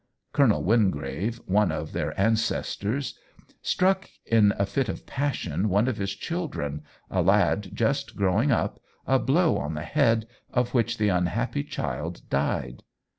Colonel Wingrave, one of their ancestors, struck in a fit of passion one of his children, a lad just growing up, a blow on the head, of which the unhappy child died.